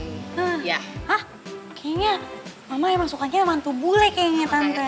hah kayaknya mama emang sukanya mantu bule kayaknya tante